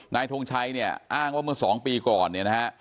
นายทงใช๋เนี่ยอ้างว่าเมื่อสองปีก่อน